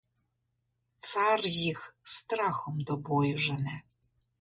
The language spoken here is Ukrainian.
Цар їх страхом до бою жене.